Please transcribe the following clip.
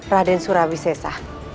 raden surawi sesa